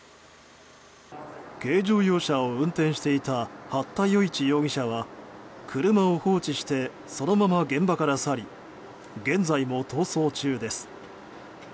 軽乗用車を運転していた八田與一容疑者は車を放置してそのまま現場から去り現在も逃走中です。